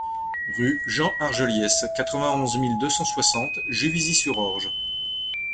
Rue Jean Argeliès, quatre-vingt-onze mille deux cent soixante Juvisy-sur-Orge